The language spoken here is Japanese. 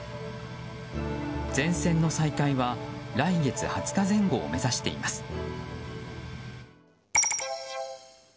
全線の再開は来月２０日前後を目指しています。